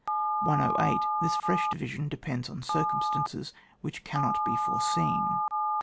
108. This fresh division depends on circumstances which cannot be fore seen.